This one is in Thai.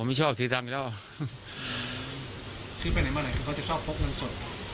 ขึ้นไปไหนมาไหนคือเขาจะชอบพกเงินสด